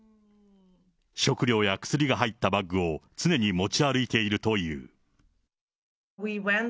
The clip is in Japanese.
食料や薬が入ったバッグを常に持ち歩いているという。